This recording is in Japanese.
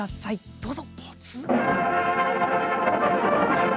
どうぞ！